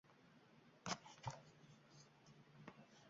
bir tomon yechim topilishini istab muammolarni ochishga urinayotgan bo‘lsa